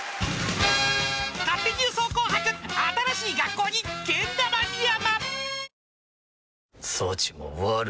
［勝手に予想紅白新しい学校にけん玉三山］